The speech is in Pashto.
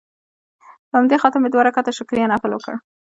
په همدې خاطر مې دوه رکعته شکريه نفل وکړ.